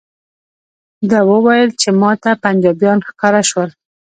ده وویل چې ماته پنجابیان ښکاره شول.